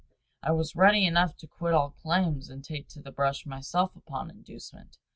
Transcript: I was ready enough to quit all claims and to take to the brush myself upon inducement.